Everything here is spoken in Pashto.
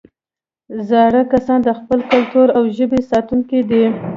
زاړه کسان د خپل کلتور او ژبې ساتونکي دي